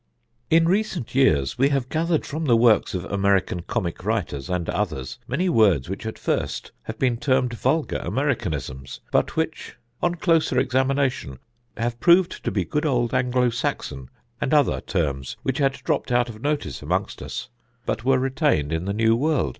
"In recent years we have gathered from the works of American comic writers and others many words which at first have been termed 'vulgar Americanisms,' but which, on closer examination, have proved to be good old Anglo Saxon and other terms which had dropped out of notice amongst us, but were retained in the New World!